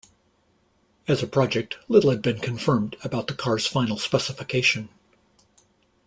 As a project little had been confirmed about the car's final specification.